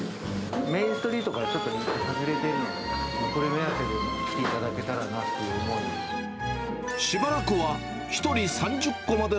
メインストリートからちょっと外れてるのでね、これ目当てで来ていただけたらなって思いで。